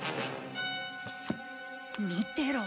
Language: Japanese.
見てろ！